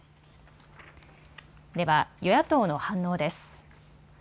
では、与野党の反応です。